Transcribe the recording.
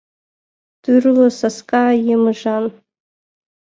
Тӱрлӧ саска емыжан.